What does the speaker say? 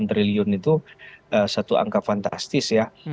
delapan triliun itu satu angka fantastis ya